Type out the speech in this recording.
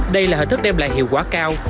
đây là hệ thức đem lại hiệu quả cao